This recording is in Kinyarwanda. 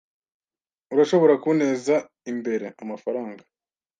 Urashobora kunteza imbere amafaranga?